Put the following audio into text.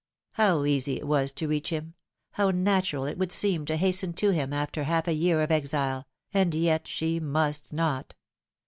How easy it was to reach him ! how natural it would seem to hasten to him after half a year of exile ! and yet she must not.